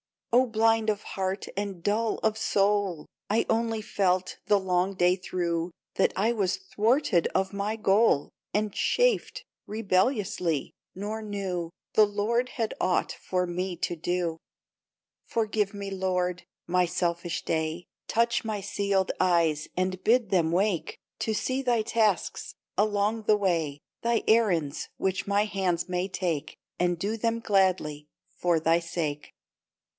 " Oh, blind of heart and dull of soul ! I only felt, the long day through, That I was thwarted of my goal, And chafed rebelliously, nor knew The Lord had aught for me to do ! Forgive me, Lord, my selfish day, Touch my sealed eyes, and bid them wake To see Thy tasks along the way, Thy errands, which my hands may take, And do them gladly for Thy sake.